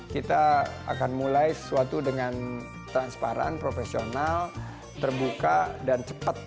kita akan mulai sesuatu dengan transparan profesional terbuka dan cepat